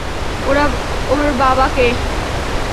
ওর বাবা কে?